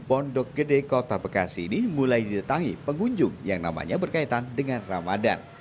pondok gede kota bekasi ini mulai ditetangi pengunjung yang namanya berkaitan dengan ramadan